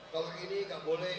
kalau ini tidak boleh